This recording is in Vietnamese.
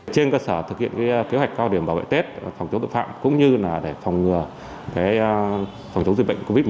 trên cơ sở thực hiện kế hoạch cao điểm bảo vệ tết phòng chống tội phạm cũng như để phòng ngừa phòng chống dịch bệnh covid một mươi chín